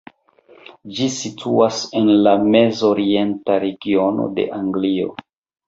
Ĝi situas en la Mez-Orienta Regiono de Anglio.